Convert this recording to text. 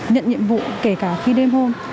nhận nhiệm vụ kể cả khi đêm hôm